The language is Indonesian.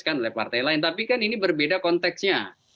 kan oleh partai lain tapi kan ini berbeda konteksnya